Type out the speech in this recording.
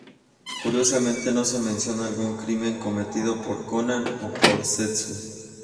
Curiosamente, no se menciona algún crimen cometido por Konan o por Zetsu.